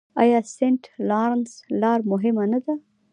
آیا سینټ لارنس لاره مهمه نه ده؟